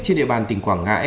trên địa bàn tỉnh quảng ngãi